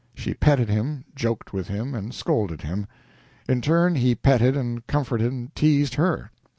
She petted him, joked with him, and scolded him. In turn, he petted and comforted and teased her.